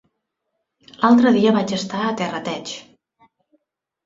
L'altre dia vaig estar a Terrateig.